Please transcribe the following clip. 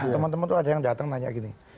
teman teman itu ada yang datang nanya gini